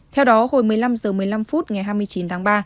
theo đó hồi một mươi năm h một mươi năm phút ngày hai mươi chín tháng ba